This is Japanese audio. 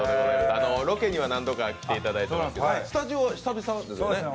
ロケには何度か来ていただきましたけど、スタジオは久々ですよね。